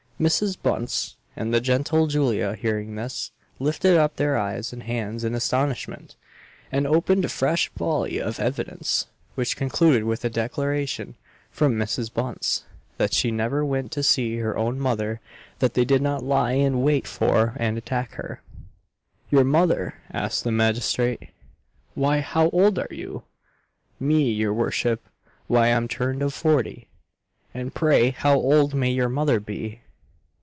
Mrs. Bunce and the gentle Julia hearing this, lifted up their eyes and hands in astonishment, and opened a fresh volley of evidence, which concluded with a declaration from Mrs. Bunce, that she never went to see her own mother that they did not lie in wait for and attack her. "Your mother!" said the magistrate, "why how old are you?" "Me, your worship why I'm turned of forty." "And pray how old may your mother be?"